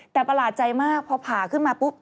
แต่ประหลาดใจมากพอผ่าขึ้นมาปุ๊บ